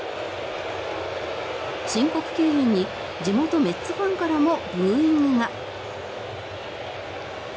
申告敬遠に地元メッツファンからもブーイングが。